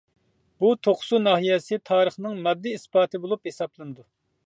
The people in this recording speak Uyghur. بۇ توقسۇ ناھىيەسى تارىخىنىڭ ماددىي ئىسپاتى بولۇپ ھېسابلىنىدۇ.